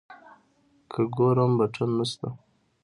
که ګورم بټن نسته.